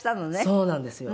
そうなんですよ。